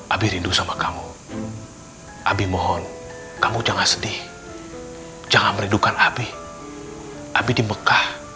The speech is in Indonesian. abis rindu sama kamu abie mohon kamu jangan sedih jangan merindukan abie abie di mekah